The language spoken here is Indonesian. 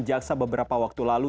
jaksa beberapa waktu lalu